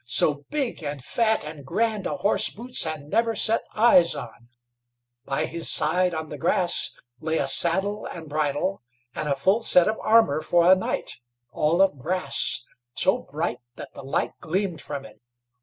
So big, and fat, and grand a horse, Boots had never set eyes on; by his side on the grass lay a saddle and bridle, and a full set of armour for a knight, all of brass, so bright that the light gleamed from it.